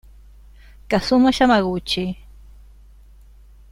Kazuma Yamaguchi